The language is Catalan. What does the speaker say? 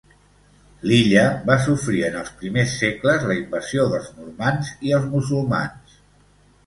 L'illa va sofrir en els primers segles la invasió dels normands i els musulmans.